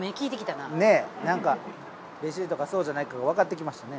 なんかレシートかそうじゃないかがわかってきましたね。